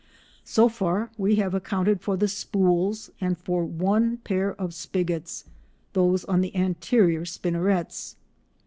So far we have accounted for the spools, and for one pair of spigots—those on the anterior spinnerets.